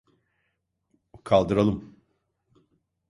Kaldıralım.